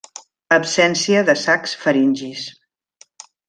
Absència de sacs faringis.